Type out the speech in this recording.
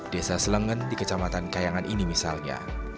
desa selengen di kecamatan kayangan ini misalnya